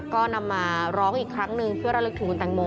ก็นำมาร้องอีกครั้งหนึ่งเพื่อระลึกถึงคุณแตงโม